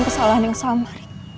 kesalahan yang sama